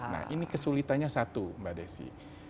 nah ini kesulitanya satu mbak desy